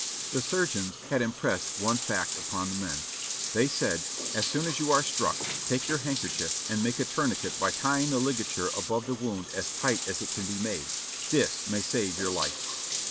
The surgeons had impressed one fact upon the men. They said, "As soon as you are struck, take your handkerchief and make a tourniquet by tying the ligature above the wound as tight as it can be made; this may save your life."